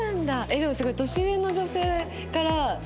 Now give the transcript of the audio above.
でもすごい年上の女性から絶対。